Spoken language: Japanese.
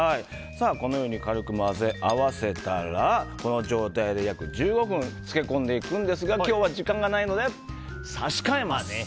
このように軽く混ぜ合わせたらこの状態で約１５分漬け込んでいくんですが、今日は時間がないので差し替えます。